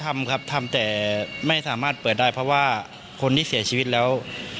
ทำครับทำแต่ไม่สามารถเปิดได้เพราะว่าคนที่เสียชีวิตแล้ว